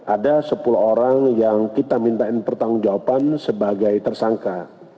ada sepuluh orang yang kita minta pertanggung jawaban sebagai tersangka